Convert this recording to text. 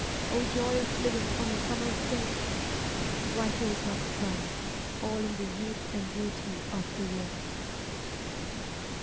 * O joy of living on a summer's day !' White rose must die, all in the youth and beauty of the year.